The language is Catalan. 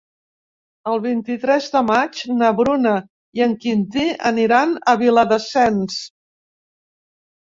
El vint-i-tres de maig na Bruna i en Quintí aniran a Viladasens.